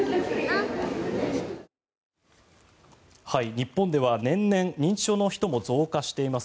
日本では年々認知症の人も増加しています。